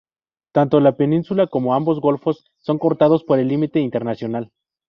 Tanto la península como ambos golfos son cortados por el límite internacional.